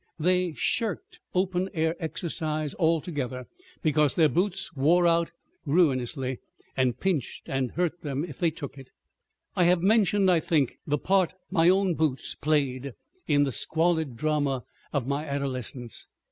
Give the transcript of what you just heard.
They shirked open air exercise altogether because their boots wore out ruinously and pinched and hurt them if they took it. I have mentioned, I think, the part my own boots played in the squalid drama of my adolescence.